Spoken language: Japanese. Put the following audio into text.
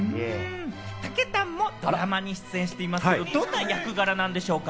たけたんもドラマに出演していますけれども、どんな役柄なんでしょうか？